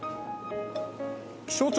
「気象庁」